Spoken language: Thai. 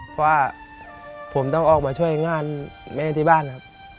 เพราะว่าผมต้องออกมาช่วยงานแม่ที่บ้านครับ